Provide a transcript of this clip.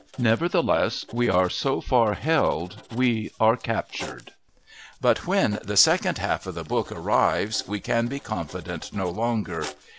Nevertheless we are so far held, we are captured. But when the second half of the book arrives we can be confident no longer.